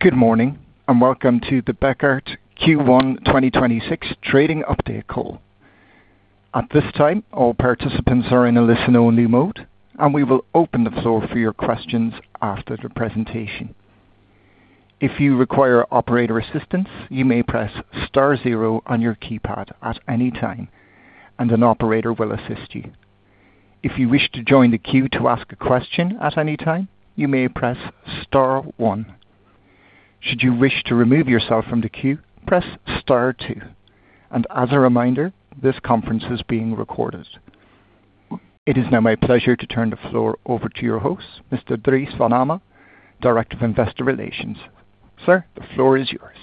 Good morning, welcome to the Bekaert Q1 2026 trading update call. At this time, all participants are in a listen-only mode, we will open the floor for your questions after the presentation. If you require operator assistance, you may press star zero on your keypad at any time and an operator will assist you. If you wish to join the queue to ask a question at any time, you may press star one. Should you wish to remove yourself from the queue, press star two. As a reminder, this conference is being recorded. It is now my pleasure to turn the floor over to your host, Mr. Dries Van Hamme, Director of Investor Relations. Sir, the floor is yours.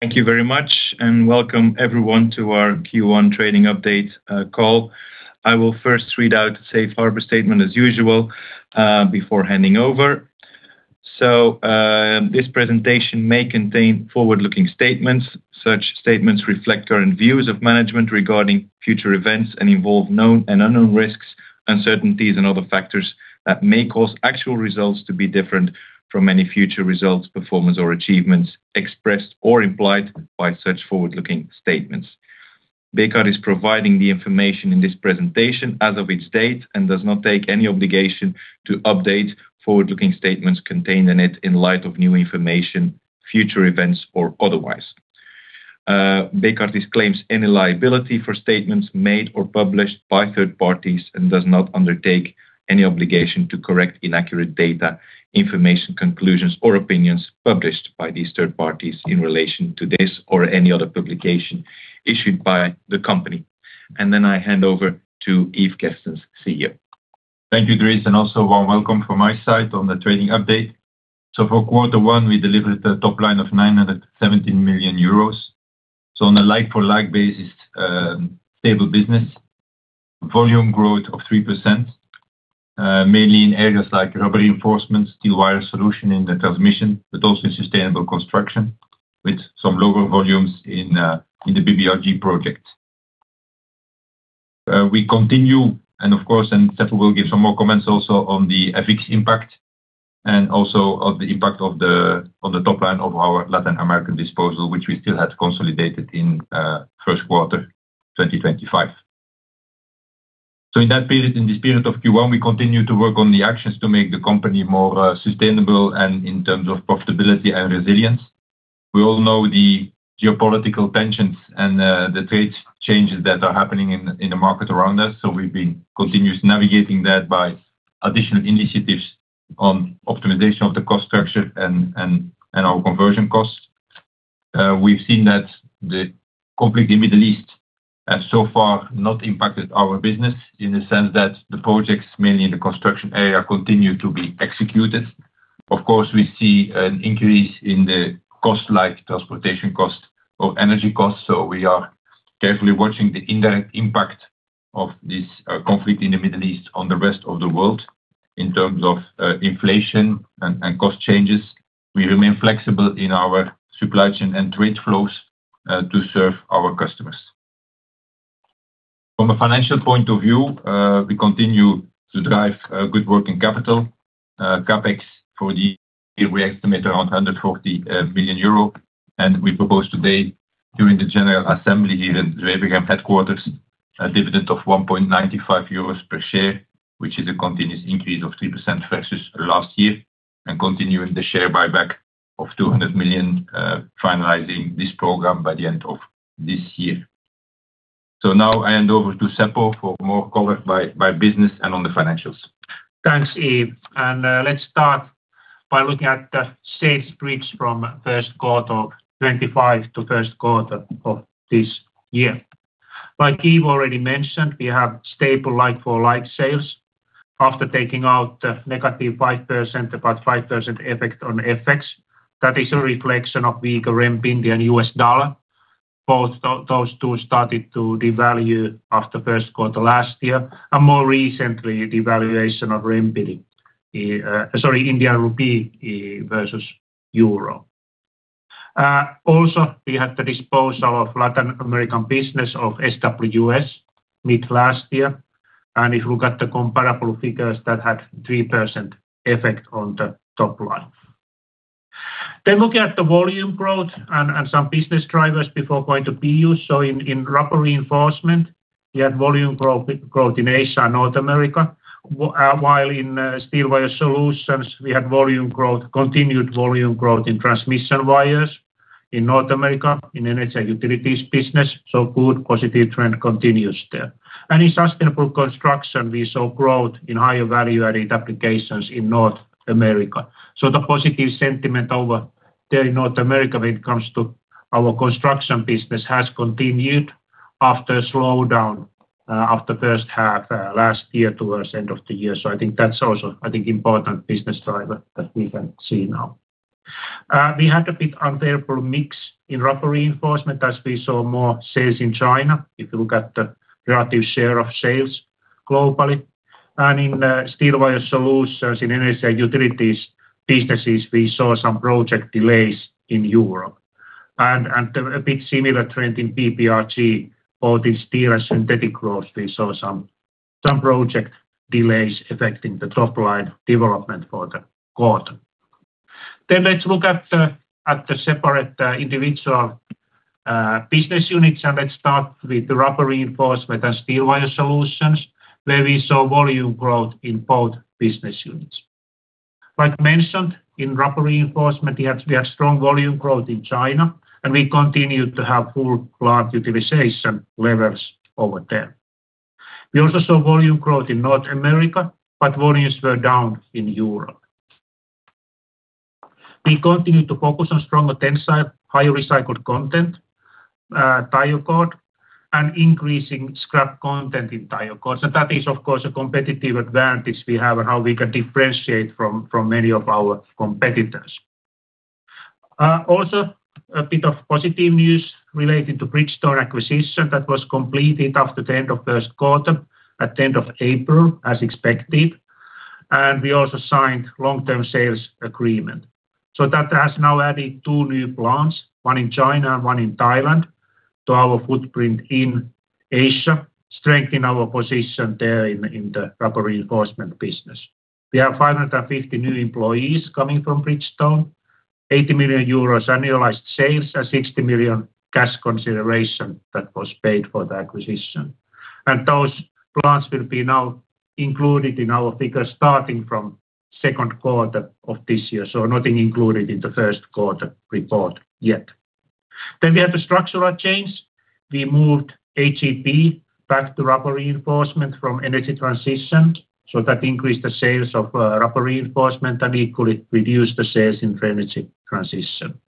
Thank you very much and welcome everyone to our Q1 trading update call. I will first read out the safe harbor statement as usual before handing over. This presentation may contain forward-looking statements. Such statements reflect current views of management regarding future events and involve known and unknown risks, uncertainties, and other factors that may cause actual results to be different from any future results, performance, or achievements expressed or implied by such forward-looking statements. Bekaert is providing the information in this presentation as of its date and does not take any obligation to update forward-looking statements contained in it in light of new information, future events, or otherwise. Bekaert disclaims any liability for statements made or published by third parties and does not undertake any obligation to correct inaccurate data, information, conclusions, or opinions published by these third parties in relation to this or any other publication issued by the company. Then I hand over to Yves Kerstens, CEO. Thank you, Dries. Also a warm welcome from my side on the trading update. For quarter one, we delivered a top line of 917 million euros. On a like-for-like basis, stable business. Volume growth of 3%, mainly in areas like Rubber Reinforcement, Steel Wire Solutions in the transmission, but also in Sustainable Construction, with some lower volumes in the BBRG project. We continue, of course, and Seppo will give some more comments also on the FX impact and also of the impact on the top line of our Latin American disposal, which we still had consolidated in first quarter 2025. In this period of Q1, we continued to work on the actions to make the company more sustainable and in terms of profitability and resilience. We all know the geopolitical tensions, the trade changes that are happening in the market around us. We've been continuously navigating that by additional initiatives on optimization of the cost structure and our conversion costs. We've seen that the conflict in Middle East has so far not impacted our business in the sense that the projects, mainly in the construction area, continue to be executed. Of course, we see an increase in the cost, like transportation cost or energy cost. We are carefully watching the indirect impact of this conflict in the Middle East on the rest of the world in terms of inflation and cost changes. We remain flexible in our supply chain and trade flows to serve our customers. From a financial point of view, we continue to drive good working capital. CapEx for the year, we estimate around 140 million euros, and we propose today, during the general assembly here in Zwevegem headquarters, a dividend of 1.95 euros per share, which is a continuous increase of 3% versus last year, and continuing the share buyback of 200 million, finalizing this program by the end of this year. Now I hand over to Seppo for more color by business and on the financials. Thanks, Yves. Let's start by looking at the sales bridge from first quarter 2025 to first quarter of this year. Like Yves already mentioned, we have stable like-for-like sales after taking out -5%, about 5% effect on FX. That is a reflection of weaker renminbi and U.S. dollar. Both those two started to devalue after first quarter last year, and more recently, devaluation of renminbi, sorry, Indian rupee versus EUR. Also, we had the disposal of Latin American business of SWS mid last year. If you look at the comparable figures, that had 3% effect on the top line. Looking at the volume growth and some business drivers before going to be used. In Rubber Reinforcement, we had volume growth in Asia and North America, while in Steel Wire Solutions, we had volume growth, continued volume growth in transmission wires in North America, in energy and utilities business. Good positive trend continues there. In Sustainable Construction, we saw growth in higher value-added applications in North America. The positive sentiment over there in North America when it comes to our construction business has continued after a slowdown, after first half last year towards end of the year. I think that's also, I think, important business driver that we can see now. We had a bit unfavorable mix in Rubber Reinforcement as we saw more sales in China, if you look at the relative share of sales globally. In Steel Wire Solutions in energy and utilities businesses, we saw some project delays in Europe. A bit similar trend in BBRG for the steel and synthetic ropes, we saw some project delays affecting the top line development for the quarter. Let's look at the separate individual business units, and let's start with the Rubber Reinforcement and Steel Wire Solutions, where we saw volume growth in both business units. Like mentioned, in Rubber Reinforcement, we had strong volume growth in China, and we continued to have full plant utilization levels over there. We also saw volume growth in North America, but volumes were down in Europe. We continue to focus on stronger tensile, high recycled content, tire cord, and increasing scrap content in tire cords. That is, of course, a competitive advantage we have and how we can differentiate from many of our competitors. Also a bit of positive news relating to Bridgestone acquisition that was completed after the end of first quarter at the end of April, as expected. We also signed long-term sales agreement. That has now added two new plants, one in China and one in Thailand, to our footprint in Asia, strengthen our position there in the Rubber Reinforcement business. We have 550 new employees coming from Bridgestone, 80 million euros annualized sales, and 60 million cash consideration that was paid for the acquisition. Those plants will be now included in our figures starting from second quarter of this year, so nothing included in the first quarter report yet. We have the structural change. We moved HEP back to Rubber Reinforcement from Energy Transition, so that increased the sales of Rubber Reinforcement and equally reduced the sales in Energy Transition.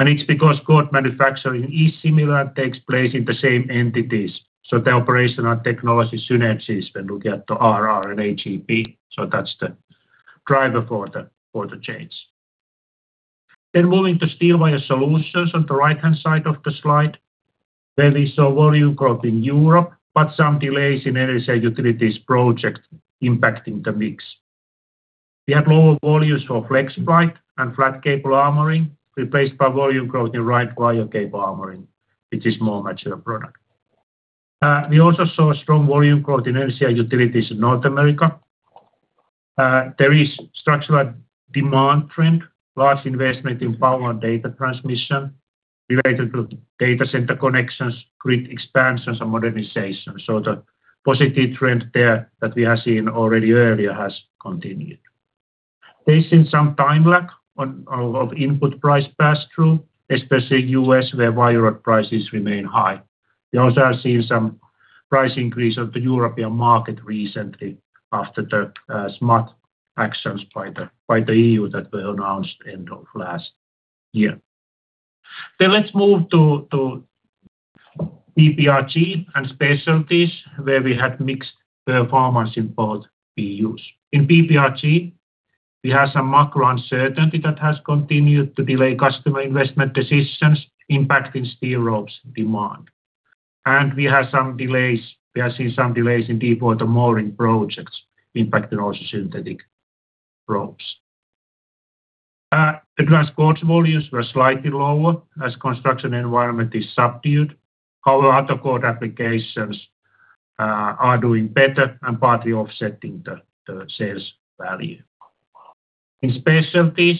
It's because cord manufacturing is similar, takes place in the same entities, so the operational technology synergies when we get to RR and HEP, so that's the driver for the, for the change. Moving to Steel Wire Solutions on the right-hand side of the slide. There we saw volume growth in Europe, but some delays in energy and utilities project impacting the mix. We had lower volumes for flex pipe and flat cable armoring, replaced by volume growth in round wire cable armoring, which is more mature product. We also saw strong volume growth in energy and utilities in North America. There is structural demand trend, large investment in power and data transmission related to data center connections, grid expansions, and modernization. The positive trend there that we have seen already earlier has continued. There's been some time lag of input price pass-through, especially U.S., where wire rod prices remain high. We also have seen some price increase on the European market recently after the SMAP actions by the EU that were announced end of last year. Let's move to BBRG and Specialties, where we had mixed performance in both PUs. In BBRG, we have some macro uncertainty that has continued to delay customer investment decisions impacting steel ropes demand. We have seen some delays in deepwater mooring projects impacting also synthetic ropes. Advanced Cords volumes were slightly lower as construction environment is subdued. Our other cord applications are doing better and partly offsetting the sales value. In Specialties,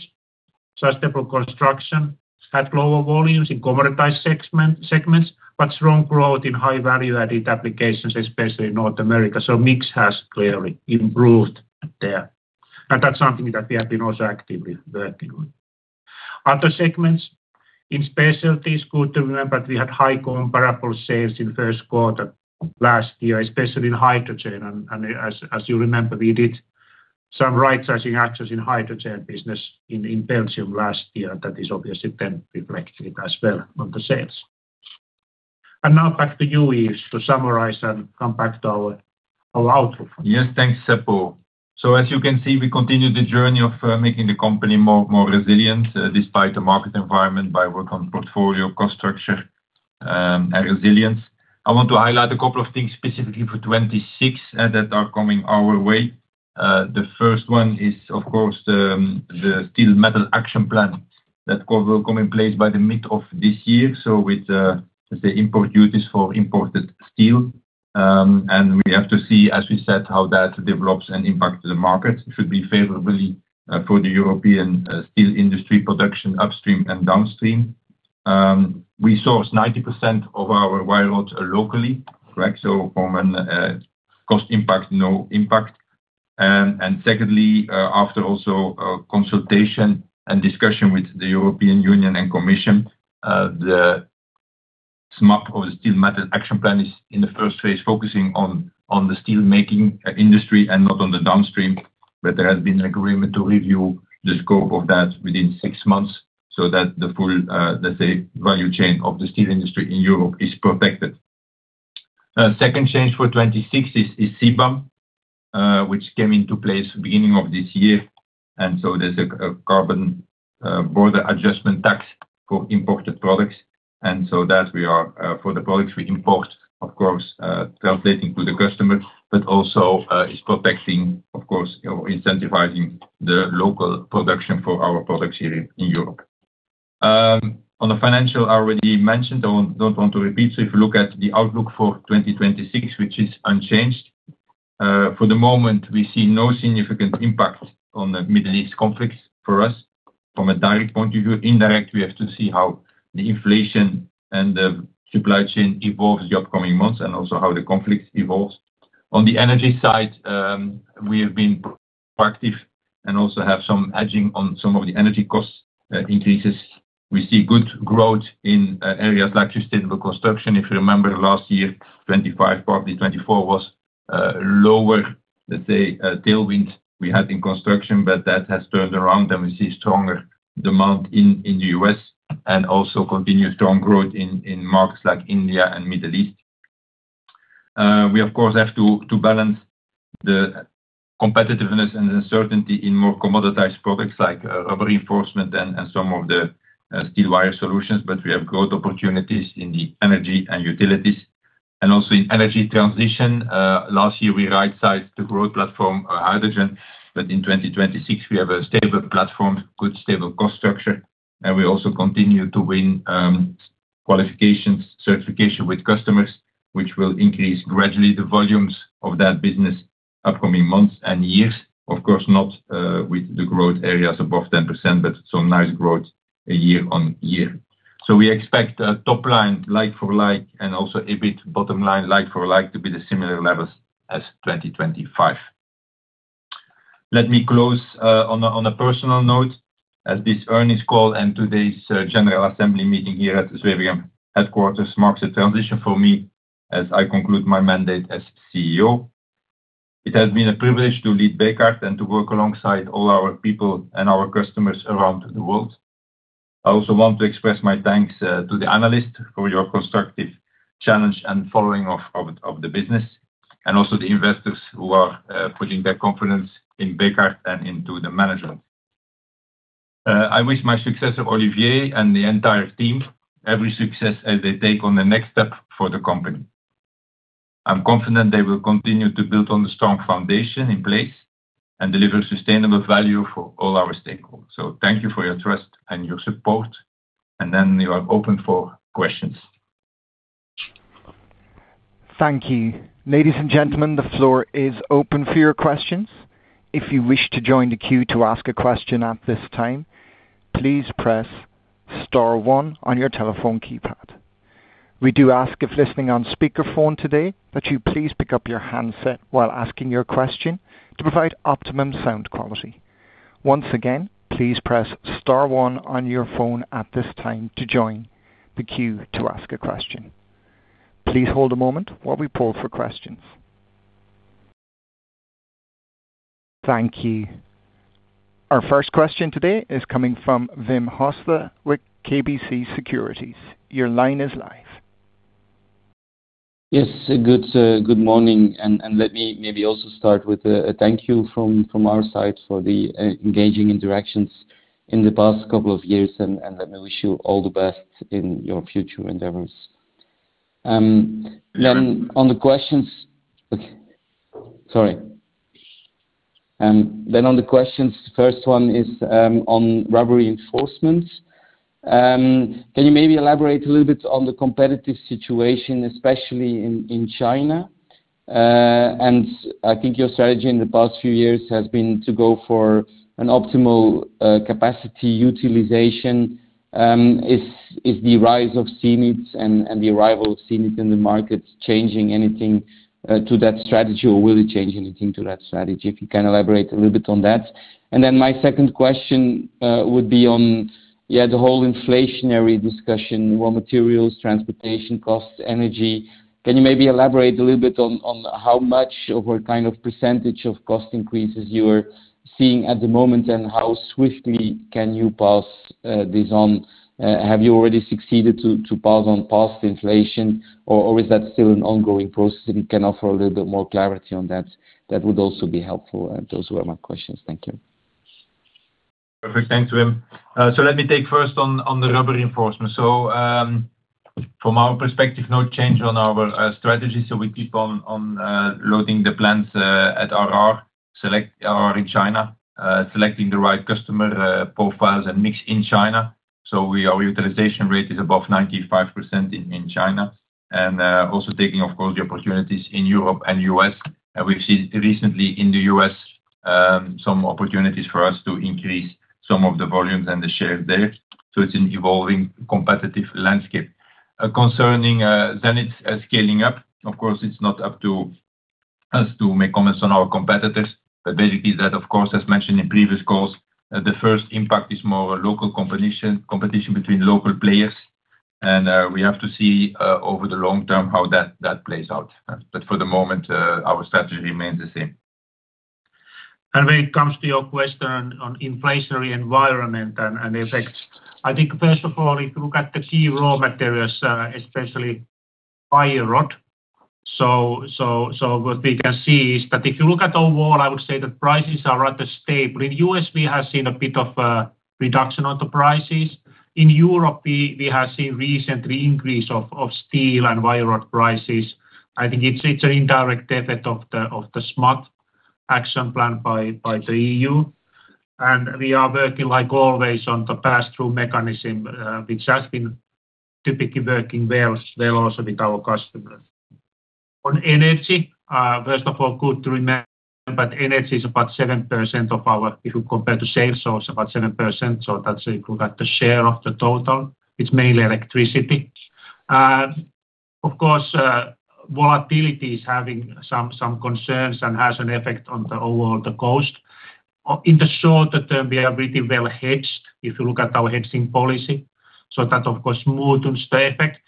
Sustainable Construction had lower volumes in commoditized segments, but strong growth in high value-added applications, especially in North America. Mix has clearly improved there. That's something that we have been also actively working on. Other segments in Specialties, good to remember that we had high comparable sales in first quarter last year, especially in Hydrogen. As you remember, we did some right-sizing actions in Hydrogen business in Belgium last year. That is obviously then reflected as well on the sales. Now back to you, Yves, to summarize and come back to our outlook. Yes, thanks, Seppo. As you can see, we continue the journey of making the company more resilient despite the market environment by work on portfolio, cost structure, and resilience. I want to highlight a couple of things specifically for 2026 that are coming our way. The first one is, of course, the Steel and Metals Action Plan that will come in place by the mid of this year. With the import duties for imported steel, and we have to see, as we said, how that develops and impacts the market. It should be favorably for the European steel industry production upstream and downstream. We source 90% of our wire rods locally, correct? From an cost impact, no impact. Secondly, after also consultation and discussion with the European Union and European Commission, the SMAP or the Steel and Metals Action Plan is in the first phase focusing on the steel making industry and not on the downstream. There has been agreement to review the scope of that within six months so that the full value chain of the steel industry in Europe is protected. Second change for 2026 is CBAM, which came into place beginning of this year. There's a carbon border adjustment tax for imported products. That we are, for the products we import, translating to the customer, but also is protecting incentivizing the local production for our products here in Europe. On the financial, I already mentioned, I don't want to repeat. If you look at the outlook for 2026, which is unchanged for the moment, we see no significant impact on the Middle East conflicts for us from a direct point of view. Indirect, we have to see how the inflation and the supply chain evolves the upcoming months and also how the conflict evolves. On the energy side, we have been proactive and also have some hedging on some of the energy cost increases. We see good growth in areas like Sustainable Construction. If you remember last year, 2025, probably 2024 was lower, let's say, tailwind we had in construction, but that has turned around, and we see stronger demand in the U.S. and also continued strong growth in markets like India and Middle East. We of course, have to balance the competitiveness and uncertainty in more commoditized products like Rubber Reinforcement and some of the Steel Wire Solutions, but we have growth opportunities in the energy and utilities. Also in Energy Transition, last year we rightsized the growth platform, hydrogen. In 2026, we have a stable platform, good stable cost structure, and we also continue to win qualifications, certification with customers, which will increase gradually the volumes of that business upcoming months and years. Of course not with the growth areas above 10%, but some nice growth year-on-year. We expect a top line like for like, and also EBIT bottom line like for like to be the similar levels as 2025. Let me close on a personal note, as this earnings call and today's general assembly meeting here at Zwevegem headquarters marks a transition for me as I conclude my mandate as CEO. It has been a privilege to lead Bekaert and to work alongside all our people and our customers around the world. I also want to express my thanks to the analysts for your constructive challenge and following of the business and also the investors who are putting their confidence in Bekaert and into the management. I wish my successor, Olivier, and the entire team every success as they take on the next step for the company. I'm confident they will continue to build on the strong foundation in place and deliver sustainable value for all our stakeholders. Thank you for your trust and your support. We are open for questions. Thank you. Ladies and gentlemen, the floor is open for your questions. If you wish to join the queue to ask a question at this time, please press star one on your telephone keypad. We do ask if listening on speakerphone today, that you please pick up your handset while asking your question to provide optimum sound quality. Once again, please press star one on your phone at this time to join the queue to ask a question. Please hold a moment while we poll for questions. Thank you. Our first question today is coming from Wim Hoste with KBC Securities. Your line is live. Yes. Good morning. Let me maybe also start with a thank you from our side for the engaging interactions in the past couple of years. Let me wish you all the best in your future endeavors. On the questions Okay. Sorry. On the questions, first one is on Rubber Reinforcement. Can you maybe elaborate a little bit on the competitive situation, especially in China? I think your strategy in the past few years has been to go for an optimal capacity utilization. Is the rise of Zenith and the arrival of Zenith in the market changing anything to that strategy, or will it change anything to that strategy? If you can elaborate a little bit on that. Then my second question would be on the whole inflationary discussion, raw materials, transportation costs, energy. Can you maybe elaborate a little bit on how much of a kind of percentage of cost increases you're seeing at the moment, and how swiftly can you pass these on? Have you already succeeded to pass on past inflation, or is that still an ongoing process? If you can offer a little bit more clarity on that would also be helpful. Those were my questions. Thank you. Perfect. Thanks, Wim. Let me take first on the Rubber Reinforcement. From our perspective, no change on our strategy. We keep on loading the plants at RR, select RR in China, selecting the right customer profiles and mix in China. Our utilization rate is above 95% in China. Also taking of course, the opportunities in Europe and U.S. We've seen recently in the U.S. some opportunities for us to increase some of the volumes and the share there. It's an evolving competitive landscape. Concerning Zenith scaling up, of course, it's not up to us to make comments on our competitors, basically that of course, as mentioned in previous calls, the first impact is more local competition between local players. We have to see over the long term how that plays out. For the moment, our strategy remains the same. When it comes to your question on inflationary environment and effects, I think first of all, if you look at the key raw materials, especially wire rod, what we can see is that if you look at overall, I would say that prices are rather stable. In the U.S., we have seen a bit of reduction on the prices. In Europe, we have seen recently increase of steel and wire rod prices. I think it is an indirect effect of the SMAP Action Plan by the EU. We are working like always on the pass-through mechanism, which has been typically working well also with our customers. On energy, first of all, good to remember that energy is about 7% If you compare to sales. That's equal that the share of the total. It's mainly electricity. Of course, volatility is having some concerns and has an effect on the overall cost. In the shorter term, we are pretty well hedged if you look at our hedging policy. That of course smoothens the effect.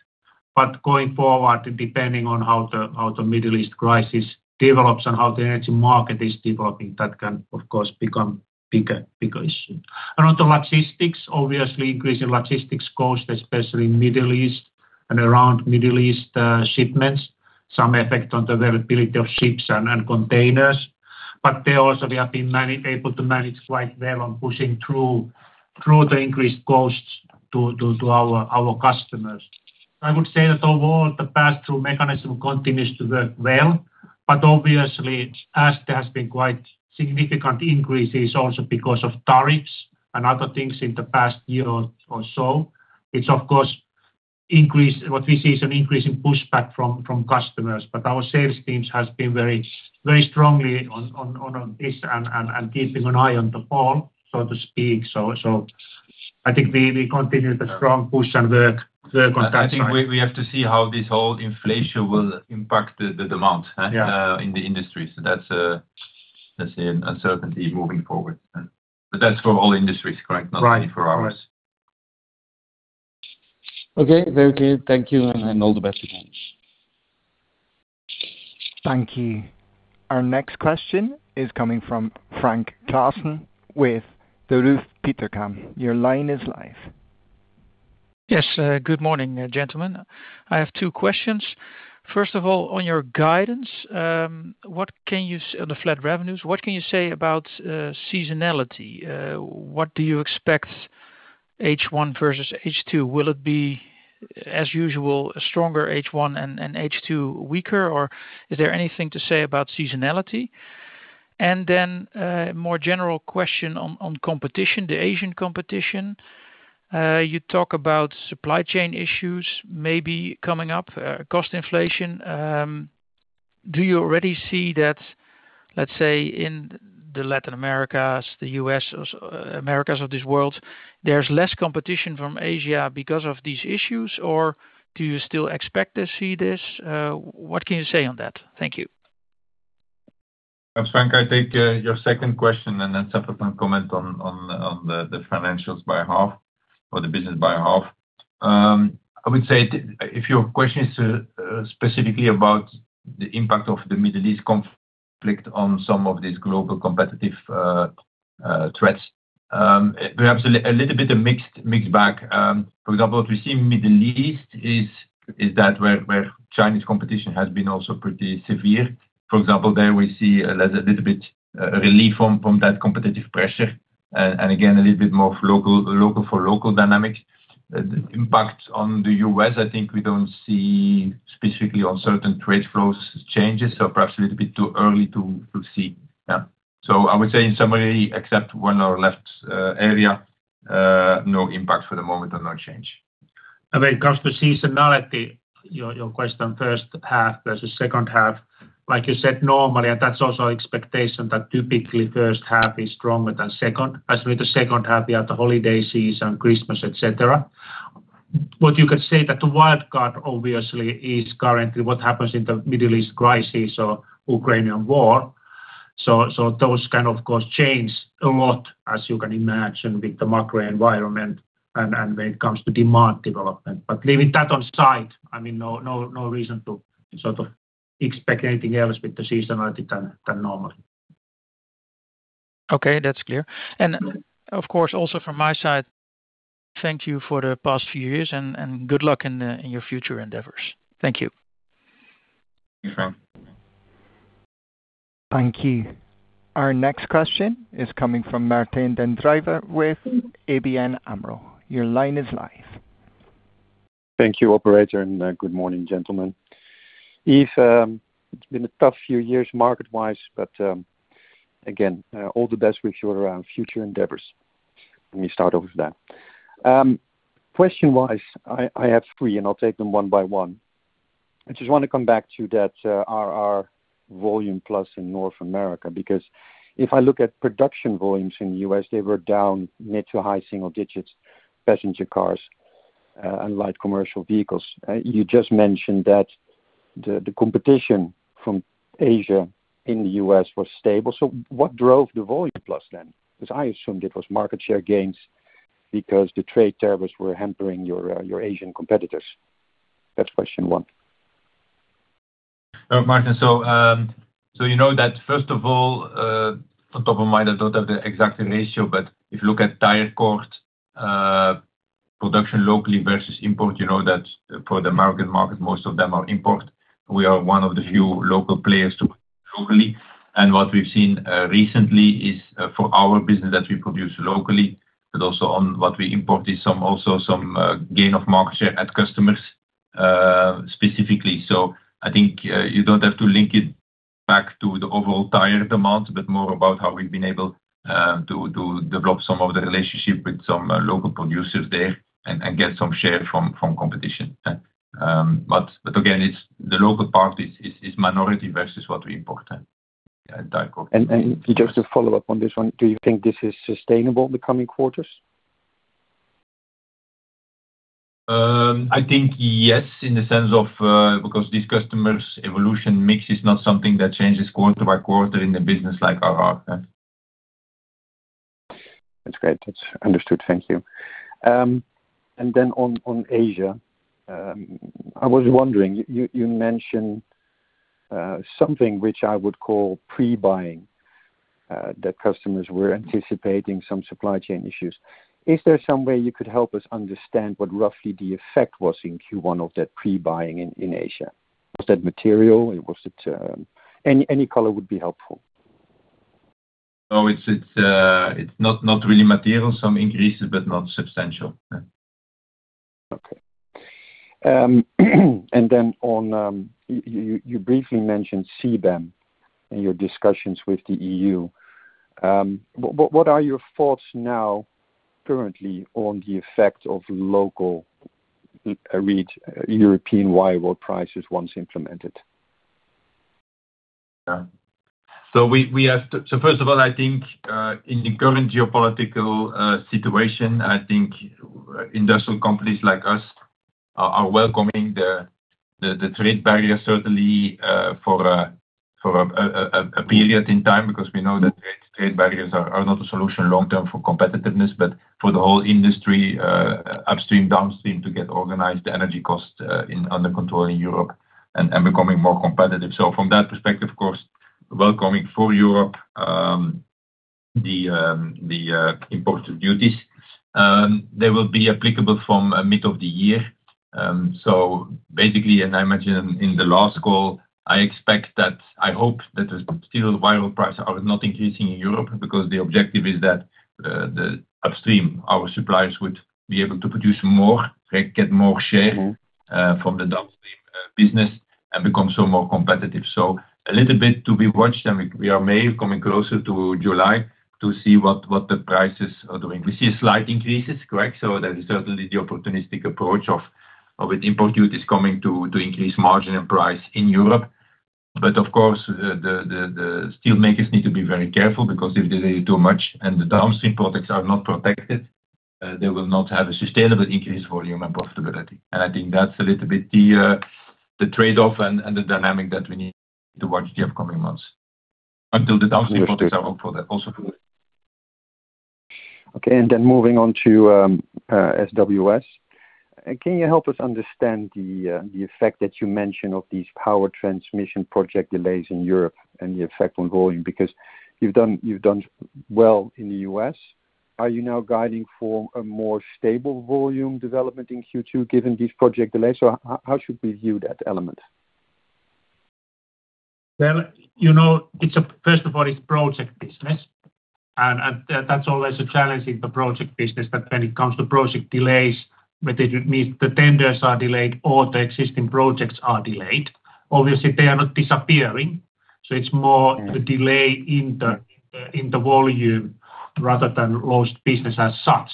Going forward, depending on how the Middle East crisis develops and how the energy market is developing, that can of course become a bigger issue. Around the logistics, obviously increase in logistics cost, especially Middle East and around Middle East shipments. Some effect on the availability of ships and containers. There also we have been able to manage quite well on pushing through the increased costs to our customers. I would say that overall the pass-through mechanism continues to work well. Obviously, as there has been quite significant increases also because of tariffs and other things in the past year or so, it's of course increased. What we see is an increase in pushback from customers. Our sales teams has been very strongly on this and keeping an eye on the ball, so to speak. I think we continue the strong push and work on that side. I think we have to see how this whole inflation will impact the demand. Yeah ...in the industry. That's, let's say an uncertainty moving forward. That's for all industries, correct? Right. Not only for ours. Right. Okay. Very clear. Thank you, and all the best again. Thank you. Our next question is coming from Frank Claassen with Degroof Petercam. Your line is live. Yes. Good morning, gentlemen. I have two questions. First of all, on your guidance, on the flat revenues, what can you say about seasonality? What do you expect H1 versus H2? Will it be, as usual, a stronger H1 and H2 weaker, or is there anything to say about seasonality? Then, more general question on competition, the Asian competition. You talk about supply chain issues maybe coming up, cost inflation. Do you already see that, let's say, in the Latin Americas, the U.S. Americas of this world, there's less competition from Asia because of these issues, or do you still expect to see this? What can you say on that? Thank you. Frank, I take your second question and then Seppo can comment on the financials by half or the business by half. I would say if your question is specifically about the impact of the Middle East conflict on some of these global competitive threats, perhaps a little bit of mixed bag. For example, what we see in Middle East is that where Chinese competition has been also pretty severe. For example, there we see a little bit relief from that competitive pressure, and again, a little bit more local for local dynamics. The impact on the U.S., I think we don't see specifically on certain trade flows changes, so perhaps a little bit too early to see. I would say in summary, except one left area, no impact for the moment or no change. When it comes to seasonality, your question first half versus second half. Like you said, normally, that's also expectation that typically first half is stronger than second. As with the second half, we have the holiday season, Christmas, et cetera. What you could say that the wild card obviously is currently what happens in the Middle East crisis or Ukrainian war. Those can of course change a lot, as you can imagine, with the macro environment when it comes to demand development. Leaving that aside, I mean, no reason to sort of expect anything else with the seasonality than normal. Okay. That's clear. Of course, also from my side, thank you for the past few years and good luck in your future endeavors. Thank you. Thank you, Frank. Thank you. Our next question is coming from Martijn Den Drijver with ABN AMRO. Your line is live. Thank you, operator, and good morning, gentlemen. Yves, it's been a tough few years market-wise, but again, all the best with your future endeavors. Let me start off with that. Question-wise, I have three, and I'll take them one by one. I just want to come back to that RR volume plus in North America, because if I look at production volumes in the U.S., they were down mid to high single digits, passenger cars and light commercial vehicles. You just mentioned that the competition from Asia in the U.S. was stable. What drove the volume plus then? Because I assumed it was market share gains because the trade tariffs were hampering your Asian competitors. That's question one. Martijn, you know that first of all, on top of mind, I don't have the exact ratio, but if you look at tire cord production locally versus import, you know that for the U.S. market, most of them are import. We are one of the few local players. What we've seen recently is for our business that we produce locally, but also on what we import is also some gain of market share at customers specifically. I think you don't have to link it back to the overall tire demand, but more about how we've been able to develop some of the relationship with some local producers there and get some share from competition. Again, it's the local part is minority versus what we import, yeah, at tire cord. Just to follow up on this one, do you think this is sustainable in the coming quarters? I think yes, in the sense of, because these customers evolution mix is not something that changes quarter by quarter in a business like RR. That's great. That's understood. Thank you. On, on Asia, I was wondering, you mentioned something which I would call pre-buying, that customers were anticipating some supply chain issues. Is there some way you could help us understand what roughly the effect was in Q1 of that pre-buying in Asia? Was that material? Was it? Any color would be helpful. No, it's not really material. Some increases, but not substantial. Okay. On, you briefly mentioned CBAM and your discussions with the EU. What are your thoughts now currently on the effect of local, read European wire rod prices once implemented? Yeah. First of all, I think, in the current geopolitical situation, I think industrial companies like us are welcoming the trade barrier certainly, for a period in time because we know that trade barriers are not a solution long term for competitiveness, but for the whole industry, upstream, downstream to get organized energy costs in under control in Europe and becoming more competitive. From that perspective, of course, welcoming for Europe, the imported duties. They will be applicable from mid of the year. Basically, and I imagine in the last call, I hope that the steel wire rod prices are not increasing in Europe because the objective is that, the upstream, our suppliers would be able to produce more from the downstream business and become so more competitive. A little bit to be watched, and we are may coming closer to July to see what the prices are doing. We see slight increases, correct? That is certainly the opportunistic approach with import duties coming to increase margin and price in Europe. Of course, the steel makers need to be very careful because if they do much and the downstream products are not protected, they will not have a sustainable increase volume and profitability. I think that's a little bit the trade-off and the dynamic that we need to watch the upcoming months until the downstream products are also fully. Okay. Moving on to SWS, can you help us understand the effect that you mentioned of these power transmission project delays in Europe and the effect on volume? Because you've done well in the U.S., are you now guiding for a more stable volume development in Q2 given these project delays, or how should we view that element? You know, first of all, it's project business. That's always a challenge in the project business that when it comes to project delays, whether it means the tenders are delayed or the existing projects are delayed, obviously, they are not disappearing. Yeah a delay in the in the volume rather than lost business as such.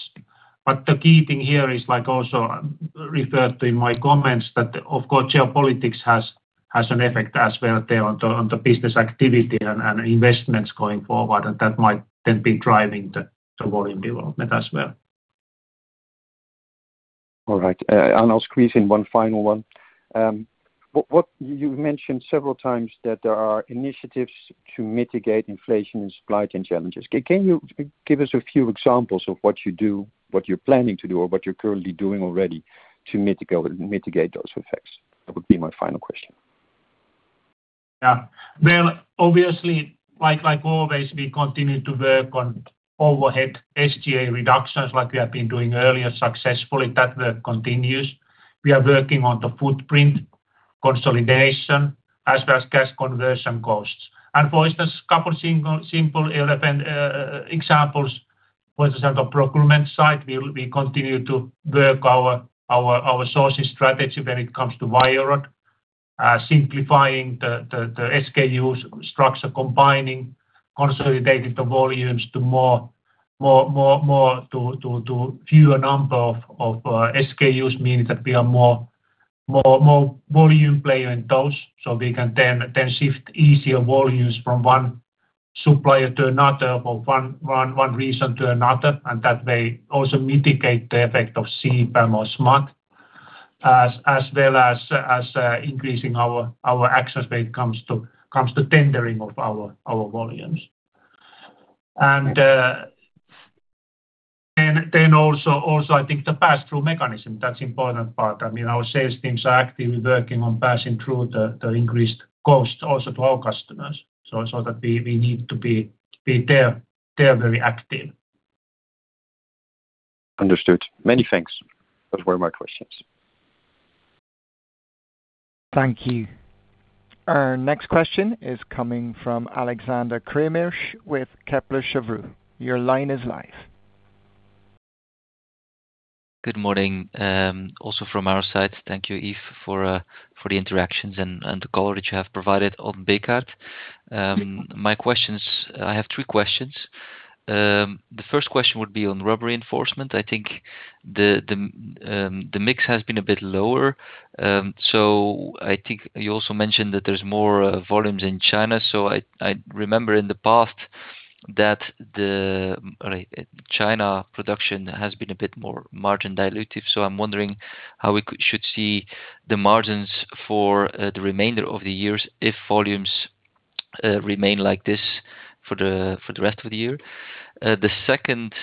The key thing here is like also referred to in my comments that, of course, geopolitics has an effect as well there on the business activity and investments going forward, and that might then be driving the volume development as well. All right. I'll squeeze in one final one. You mentioned several times that there are initiatives to mitigate inflation and supply chain challenges. Can you give us a few examples of what you do, what you're planning to do, or what you're currently doing already to mitigate those effects? That would be my final question. Yeah. Well, obviously, like always, we continue to work on overhead SG&A reductions like we have been doing earlier successfully. That work continues. We are working on the footprint consolidation as well as cash conversion costs. For instance, couple of simple relevant examples, for instance, on the procurement side, we continue to work our sourcing strategy when it comes to wire rod, simplifying the SKUs structure, combining, consolidating the volumes to more to fewer number of SKUs, meaning that we are more volume player in those. We can then shift easier volumes from one supplier to another or one region to another, and that may also mitigate the effect of CBAM or SMAP, as well as increasing our access when it comes to tendering of our volumes. Then also I think the passthrough mechanism, that's important part. I mean, our sales teams are actively working on passing through the increased costs also to our customers. They're very active. Understood. Many thanks. Those were my questions. Thank you. Our next question is coming from Alexander Craeymeersch with Kepler Cheuvreux. Your line is live. Good morning, also from our side. Thank you, Yves, for the interactions and the color that you have provided on Bekaert. I have three questions. The first question would be on Rubber Reinforcement. I think the mix has been a bit lower. I think you also mentioned that there's more volumes in China. I remember in the past that the Right, China production has been a bit more margin dilutive, I'm wondering how we should see the margins for the remainder of the years if volumes remain like this for the rest of the year. The second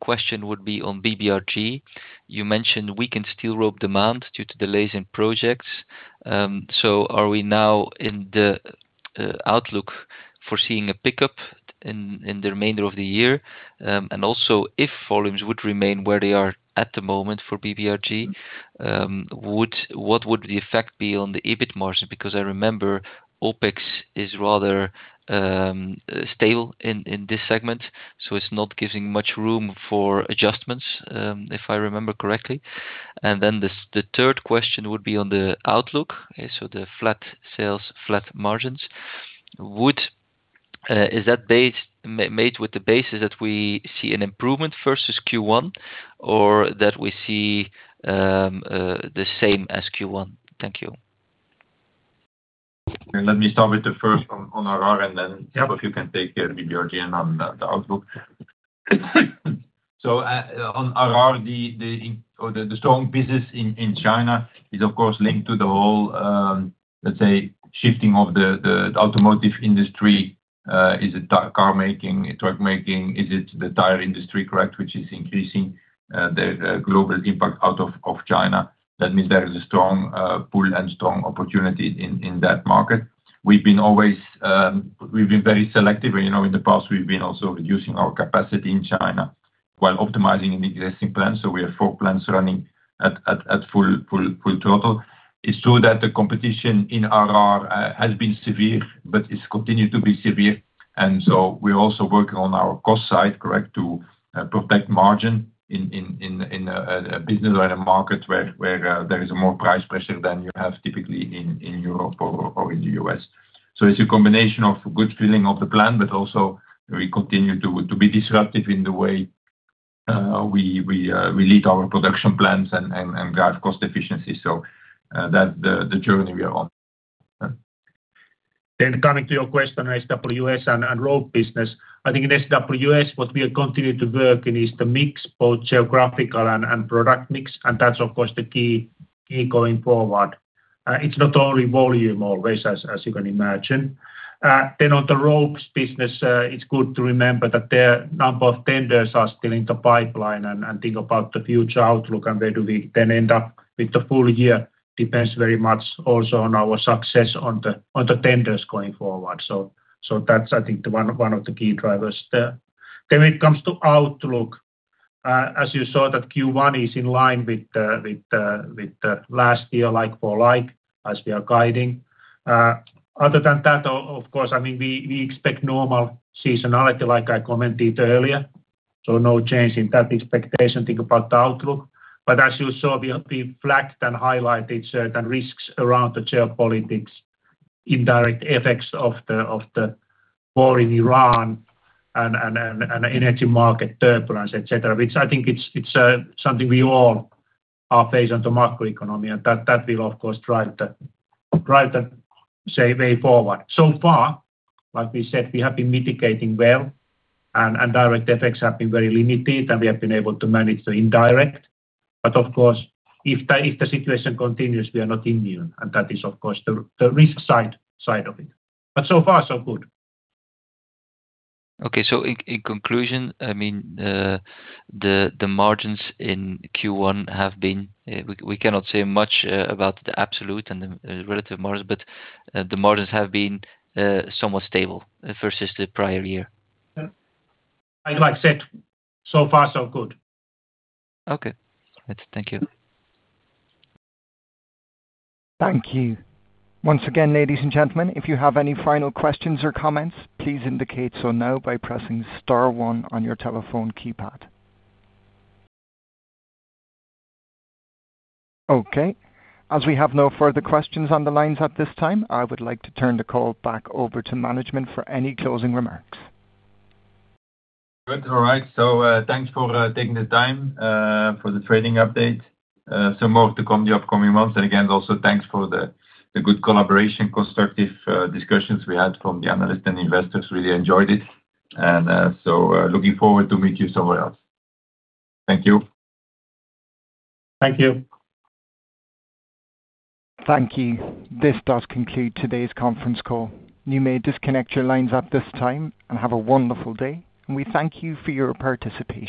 question would be on BBRG. You mentioned weakened steel rope demand due to delays in projects. Are we now in the outlook foreseeing a pickup in the remainder of the year? Also if volumes would remain where they are at the moment for BBRG, what would the effect be on the EBIT margin? Because I remember OpEx is rather stable in this segment, so it is not giving much room for adjustments, if I remember correctly. The third question would be on the outlook. The flat sales, flat margins. Is that base made with the basis that we see an improvement versus Q1 or that we see the same as Q1? Thank you. Let me start with the first one on RR. Yeah. Seppo, you can take BBRG and on the outlook. On RR, the strong business in China is of course linked to the whole, let's say shifting of the automotive industry. Is it car making? Is it truck making? Is it the tire industry, correct, which is increasing the global impact out of China? That means there is a strong pull and strong opportunity in that market. We've been always very selective. You know, in the past we've been also reducing our capacity in China while optimizing an existing plant. We have four plants running at full throttle. It's true that the competition in RR has been severe, but it's continued to be severe. We're also working on our cost side, correct, to protect margin in a business or in a market where there is more price pressure than you have typically in Europe or in the U.S. It's a combination of good filling of the plan, but also we continue to be disruptive in the way we lead our production plans and drive cost efficiency. That the journey we are on. Yeah. Coming to your question on SWS and rope business. I think in SWS what we are continuing to work in is the mix, both geographical and product mix, and that's of course the key going forward. It's not only volume always, as you can imagine. On the ropes business, it's good to remember that there are number of tenders are still in the pipeline and think about the future outlook and where do we then end up with the full year depends very much also on our success on the tenders going forward. That's I think one of the key drivers there. When it comes to outlook, as you saw that Q1 is in line with the last year like for like, as we are guiding. Other than that, of course, I mean, we expect normal seasonality, like I commented earlier. No change in that expectation. Think about the outlook. As you saw, we flagged and highlighted certain risks around the geopolitics, indirect effects of the war in Ukraine and energy market turbulence, et cetera, which I think it's something we all are facing, the macroeconomy. That will of course drive the way forward. So far, like we said, we have been mitigating well and direct effects have been very limited, and we have been able to manage the indirect. Of course, if the situation continues, we are not immune, and that is of course the risk side of it. So far so good. Okay. In conclusion, I mean, the margins in Q1 have been, we cannot say much about the absolute and the relative margins, but the margins have been somewhat stable versus the prior year. Yeah. Like I said, so far so good. Okay. That's Thank you. Thank you. Once again, ladies and gentlemen, if you have any final questions or comments, please indicate so now by pressing star one on your telephone keypad. Okay. As we have no further questions on the lines at this time, I would like to turn the call back over to management for any closing remarks. Good. All right. Thanks for taking the time for the trading update. Some more to come the upcoming months. Again, thanks for the good collaboration, constructive discussions we had from the analysts and investors. Really enjoyed it. Looking forward to meet you somewhere else. Thank you. Thank you. Thank you. This does conclude today's conference call. You may disconnect your lines at this time. Have a wonderful day, and we thank you for your participation.